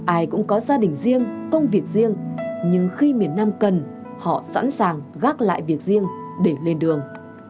ai cũng có gia đình riêng công việc riêng nhưng khi miền nam cần họ sẵn sàng gác lại việc riêng để lên đường